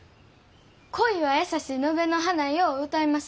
「恋はやさし野辺の花よ」を歌います。